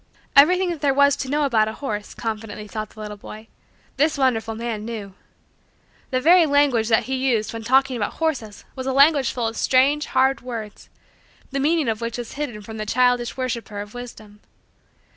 Everything that there was to know about a horse, confidently thought the little boy, this wonderful man knew. The very language that he used when talking about horses was a language full of strange, hard, words, the meaning of which was hidden from the childish worshiper of wisdom.